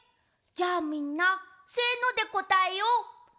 じゃあみんな「せの」でこたえよう。